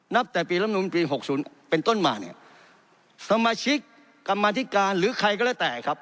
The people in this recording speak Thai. แต่ปีรำนูลปีหกศูนย์เป็นต้นมาเนี่ยสมาชิกกรรมาธิการหรือใครก็แล้วแต่ครับ